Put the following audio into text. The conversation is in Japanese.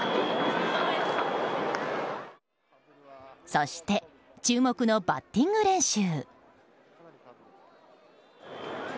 そして、注目のバッティング練習。